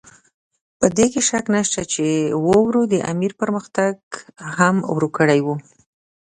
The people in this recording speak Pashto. په دې کې شک نشته چې واورو د امیر پرمختګ هم ورو کړی وو.